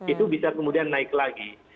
itu bisa kemudian naik lagi